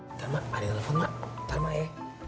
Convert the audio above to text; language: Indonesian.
ntar mak ada telepon mak ntar mak ya